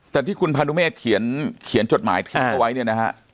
แต่ที่คุณพานุเมฆเขียนจดหมายทิ้งเอาไว้เนี่ยนะฮะ